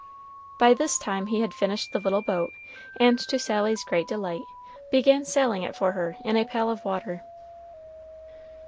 By this time he had finished the little boat, and to Sally's great delight, began sailing it for her in a pail of water.